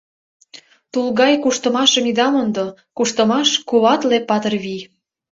Тул гай куштымашым ида мондо, Куштымаш — куатле патыр вий.